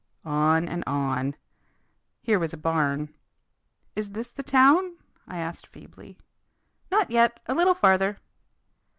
On and on. Here was a barn. "Is this the town?" I asked feebly. "Not yet. A little farther!"